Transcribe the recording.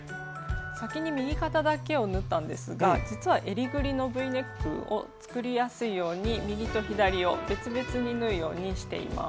先に右肩だけを縫ったんですが実はえりぐりのＶネックを作りやすいように右と左を別々に縫うようにしています。